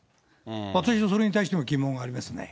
私はそれに対しても疑問がありますね。